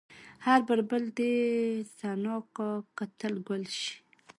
هر بلبل به دې ثنا کا که ته ګل شې.